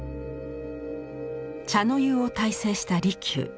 茶の湯を大成した利休。